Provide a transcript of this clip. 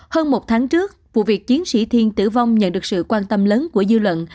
hơn một tháng trước vụ việc chiến sĩ thiên tử vong nhận được sự quan tâm lớn của dư luận